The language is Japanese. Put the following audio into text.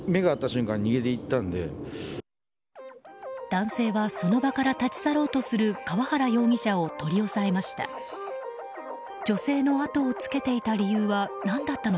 男性はその場から立ち去ろうとする川原容疑者を取り押さえました。